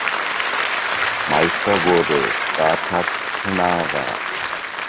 Meister wurde Spartak Trnava.